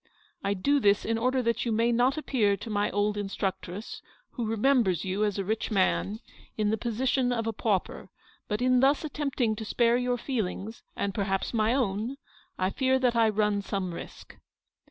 I do this in order that you may not appear to my old instructress — who remembers you as a rich man — in the position of a pauper; but in thus attempting to spare your feelings, and per haps my own, I fear that I run some risk.